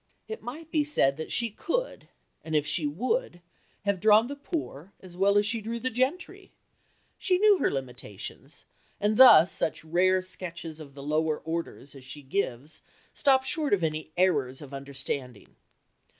It might be said that she could, and if she would, have drawn the poor as well as she drew the "gentry." She knew her limitations, and thus such rare sketches of the "lower orders" as she gives stop short of any errors of understanding.